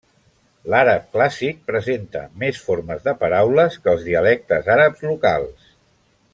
L'àrab clàssic presenta més formes de paraules que els dialectes àrabs locals.